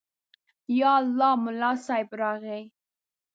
_يالله، ملا صيب راغی.